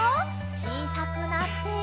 ちいさくなって。